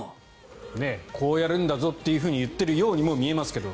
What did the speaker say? こうやるんだぞと言ってるようにも見えますけど。